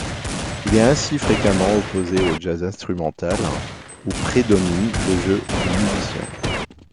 Il est ainsi fréquemment opposé au jazz instrumental, où prédomine le jeu des musiciens.